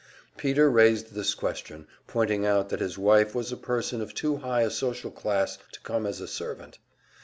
Peter raised this question, pointing out that his wife was a person of too high a social class to come as a servant.